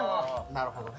なるほどね。